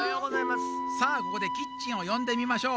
さあここでキッチンをよんでみましょう。